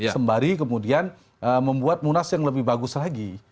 sembari kemudian membuat munas yang lebih bagus lagi